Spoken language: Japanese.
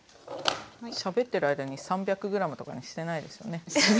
しゃべってる間に３００ｇとかにしてないですよね？